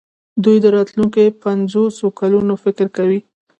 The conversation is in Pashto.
دوی د راتلونکو پنځوسو کلونو فکر کوي.